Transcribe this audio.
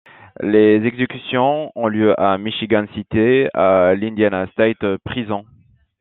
Les exécutions ont lieu à Michigan City, à l'Indiana State Prison.